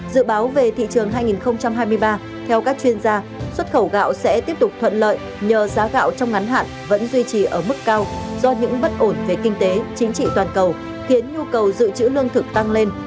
dự báo về thị trường hai nghìn hai mươi ba theo các chuyên gia xuất khẩu gạo sẽ tiếp tục thuận lợi nhờ giá gạo trong ngắn hạn vẫn duy trì ở mức cao do những bất ổn về kinh tế chính trị toàn cầu khiến nhu cầu dự trữ lương thực tăng lên